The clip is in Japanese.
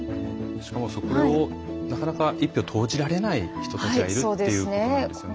しかもなかなか１票を投じられない人たちがいるっていうことなんですよね。